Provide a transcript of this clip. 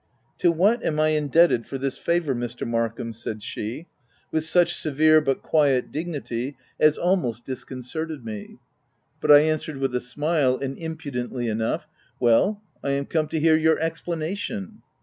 " To what am I indebted for this favour, Mr. Markham ?" said she, with such severe but quiet dignity as almost disconcerted me ; but I an swered with a smile, and impudently enough :—" Well, I am come to hear your explanation."